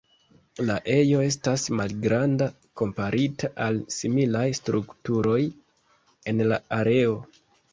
La ejo estas malgranda komparita al similaj strukturoj en la areo.